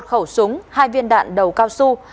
một khẩu súng hai viên đạn đầu cao su